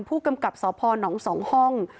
ผู้กำกับสพน๒ห้อง